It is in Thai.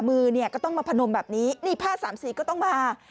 มือเนี่ยก็ต้องมาพนมแบบนี้นี่ผ้าสามสีก็ต้องมา